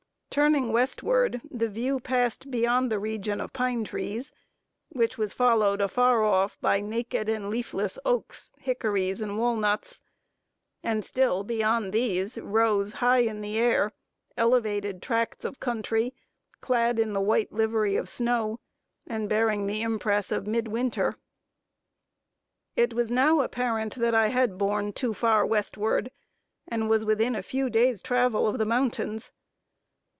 Turning westward, the view passed beyond the region of pine trees, which was followed afar off by naked and leafless oaks, hickories, and walnuts; and still beyond these rose high in air, elevated tracts of country, clad in the white livery of snow, and bearing the impress of mid winter. It was now apparent that I had borne too far westward, and was within a few days' travel of the mountains.